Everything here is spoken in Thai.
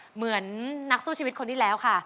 เหมือนนักสู้ชีวิตคนที่แล้วค่ะ